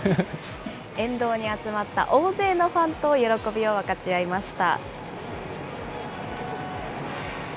沿道に集まった大勢のファンと喜びを分かち合いました。